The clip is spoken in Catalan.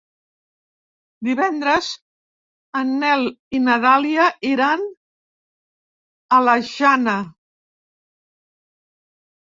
Divendres en Nel i na Dàlia iran a la Jana.